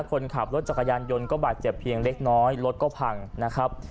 คนขับรถจักรยานยนต์ก็บาดเจ็บเพียงเล็กน้อยรถก็พังนะครับ